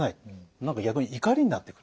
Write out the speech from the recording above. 何か逆に怒りになってくる。